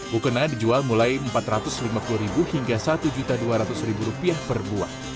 mukena dijual mulai rp empat ratus lima puluh hingga rp satu dua ratus per buah